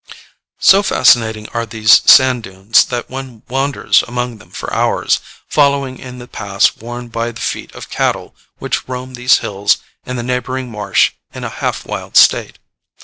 So fascinating are these sand dunes that one wanders among them for hours, following in the paths worn by the feet of cattle which roam these hills and the neighboring marsh in a half wild state.